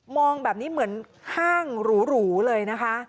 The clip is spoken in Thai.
องแบบนี้เหมือนห้างหรูเลยนะคะ